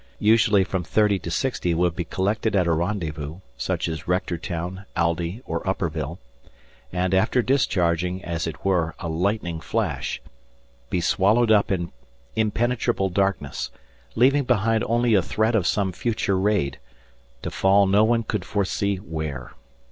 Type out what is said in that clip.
Usually from thirty to sixty would be collected at a rendezvous, such as Rectortown, Aldie, or Upperville, and after discharging, as it were, a lightning flash, be swallowed up in impenetrable darkness, leaving behind only a threat of some future raid, to fall no one could foresee where.